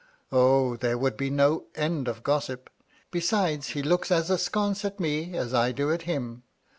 O, there would be no end of gossip. Besides, he looks as askance at me as I do at him.